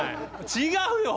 違うよ！